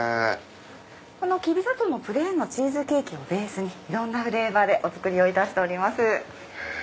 このキビ砂糖のプレーンのチーズケーキをベースにいろんなフレーバーでお作りをいたしております。